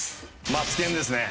『マツケン』ですね。